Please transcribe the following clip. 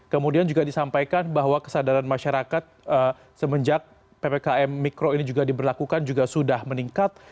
kemudian juga disampaikan bahwa kesadaran masyarakat semenjak ppkm mikro ini juga diberlakukan juga sudah meningkat